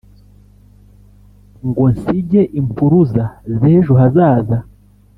Ngo nsige impuruza zejo hazaza